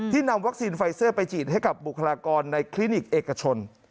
นำวัคซีนไฟเซอร์ไปฉีดให้กับบุคลากรในคลินิกเอกชน